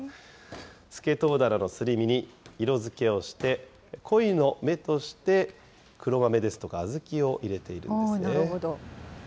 スケトウダラのすり身に色づけをして、鯉の目として、黒豆ですとか小豆を入れているんですね。